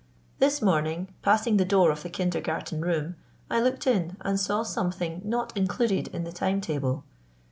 This morning, passing the door of the kindergarten room, I looked in and saw something not included in the time table.